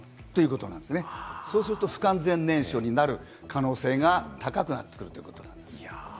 そうすると不完全燃焼になる可能性が高くなってくるということです。